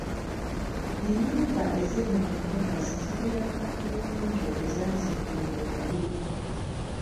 Enyumba eziri mu ntobazi zirina kaabuyoonjo ezaazimbibwa obubi.